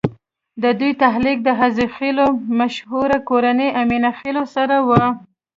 ددوي تعلق د عزيخېلو مشهورې کورنۍ اِمنه خېل سره وو